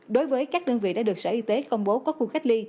đối với các đơn vị đã được sở y tế công bố có khu cách ly